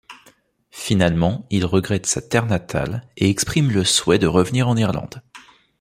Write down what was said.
Finalement, il regrette sa terre natale et exprime le souhait de revenir en Irlande.